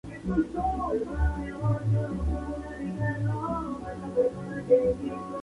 Ha publicado diversos artículos y documentos de alto impacto en la sociedad chilena.